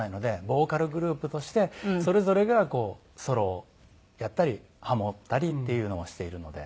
ボーカルグループとしてそれぞれがソロをやったりハモったりっていうのをしているので。